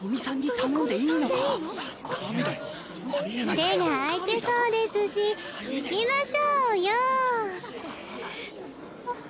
手が空いてそうですし行きましょうよ。